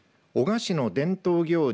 男鹿市の伝統行事